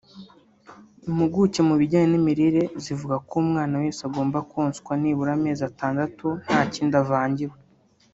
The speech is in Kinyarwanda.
Impuguke mu bijyanye n’imirire zivuga ko umwana wese agomba konswa nibura amezi atandatu nta kindi avangiwe